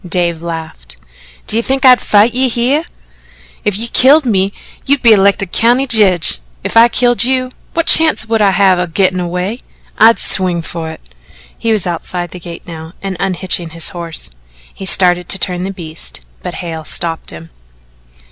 Dave laughed: "D'ye think I'd fight you hyeh? If you killed me, you'd be elected County Jedge; if I killed you, what chance would I have o' gittin' away? I'd swing fer it." He was outside the gate now and unhitching his horse. He started to turn the beasts but Hale stopped him.